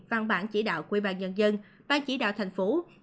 văn bản chỉ đạo quy bàn nhân dân văn chỉ đạo thành phố